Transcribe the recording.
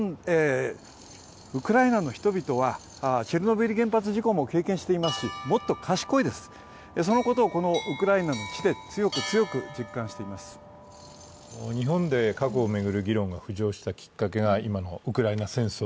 ウクライナの人々はチェルノブイリ原発事故も経験していますしもっと賢いです、そのことをこのウクライナに来て日本で核を巡る議論が復活したのがウクライナです。